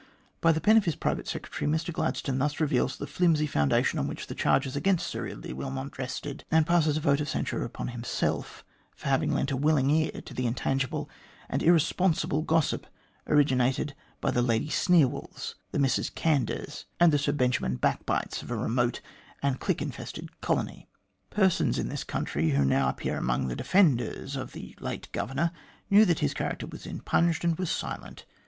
By the pen of his private secretary, Mr Gladstone thus reveals the flimsy foundation on which the charges against Sir Eardley Wilmot rested, and passes a vote of censure upon himself for having lent a willing ear to the intangible and irresponsible gossip originated by the Lady Sneerwells, the Mrs Candours, and the Sir Benjamin Backbites of a remote and clique infested colony : "Persons in this country, who now appear among the defenders of the late Governor, knew that his character was impugned, and were silent.